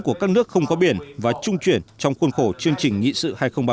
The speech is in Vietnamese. của các nước không có biển và trung truyền trong khuôn khổ chương trình nghị sự hai nghìn ba mươi